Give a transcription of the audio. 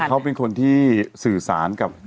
เขาเป็นคนที่สื่อสารกับ